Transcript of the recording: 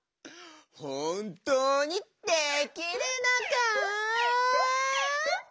ほんとうにできるのか？